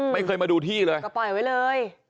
ไม่เคยมาดูที่เลยก็ปล่อยไว้เลย